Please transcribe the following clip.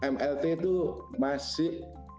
mlt itu masih